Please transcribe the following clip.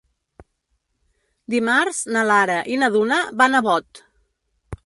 Dimarts na Lara i na Duna van a Bot.